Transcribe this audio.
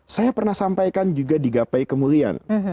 saya pernah sampaikan juga di gapai kemuliaan